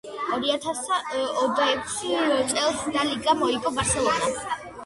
ორიათას ოცდაექვს წელს ლა ლიგა მოიგო ბარსელონამ.